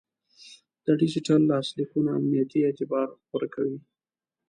د ډیجیټل لاسلیکونه امنیتي اعتبار ورکوي.